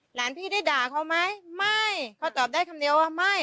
หลานพี่ได้ด่าเขาไหมไม่เขาตอบได้คำเดียวว่าไม่